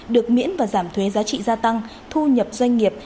được miễn và giảm thuế giá trị gia tăng thu nhập doanh nghiệp